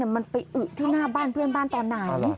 มันไปอึที่หน้าบ้านเพื่อนบ้านตอนไหน